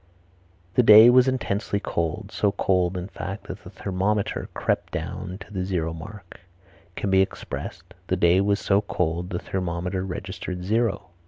"The day was intensely cold, so cold in fact that the thermometer crept down to the zero mark," can be expressed: "The day was so cold the thermometer registered zero."